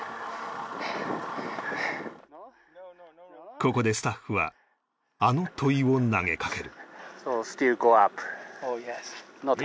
ここでスタッフはあの問いを投げかける